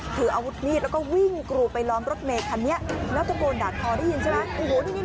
ถืออาวุธมีดแล้วก็วิ่งกรูไปล้อมรถเมย์คันนี้แล้วตะโกนด่าทอได้ยินใช่ไหม